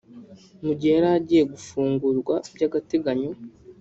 Mu gihe yari agiye gufungurwa by’agateganyo